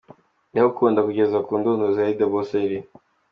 Ndagukunda kugeza ku ndunduro Zari The Boss Lady.